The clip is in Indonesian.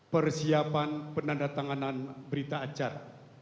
persiapan penanda tanganan berita acara